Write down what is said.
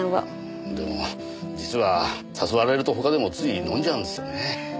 でも実は誘われると他でもつい飲んじゃうんですよね。